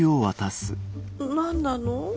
何なの？